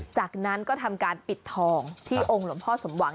จากนั้นก็ทำการปิดทองที่องค์หลวงพ่อสมหวัง